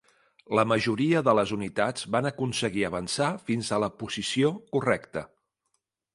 La majoria de les unitats van aconseguir avançar fins a la posició correcta.